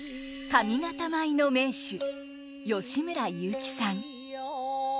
上方舞の名手吉村雄輝さん。